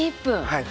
はい。